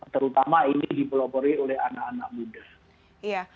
terutama ini dipelopori oleh anak anak muda